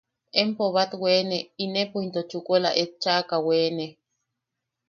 Empo bat weene inepo into chukula et chaʼaka weene.